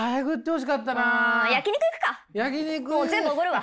焼き肉行くか！